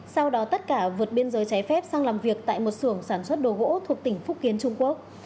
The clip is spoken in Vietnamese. sau đó tất cả vượt biên giới trái phép sang làm việc tại một sưởng sản xuất đồ gỗ thuộc tỉnh phúc kiến trung quốc